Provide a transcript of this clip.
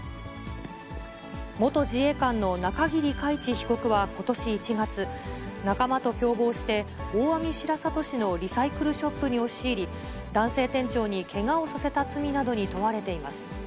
元自衛官の中桐海知被告はことし１月、仲間と共謀して、大網白里市のリサイクルショップに押し入り、男性店長にけがをさせた罪などに問われています。